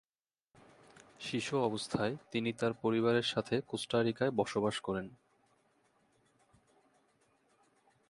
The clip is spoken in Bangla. শিশু অবস্থায় তিনি তার পরিবারের সাথে কোস্টারিকায় বসবাস করেন।